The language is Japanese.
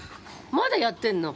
まだやってんの？